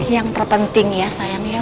yang terpenting ya sayang ya